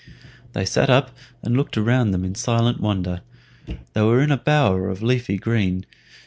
They sat up and looked around them in silent wonder. They were in a bower of leafy green.